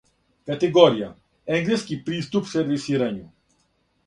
Категорија:Енглески приступ сервисирању